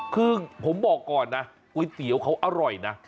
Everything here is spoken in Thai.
คือผมบอกก่อนนะก๋วยเตี๋ยวเขาอร่อยนะ